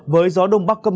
với gió đông bắc cấp năm